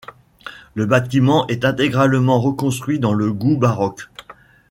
Le bâtiment est intégralement reconstruit dans le goût baroque.